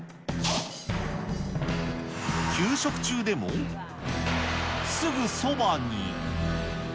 給食中でも、すぐそばに。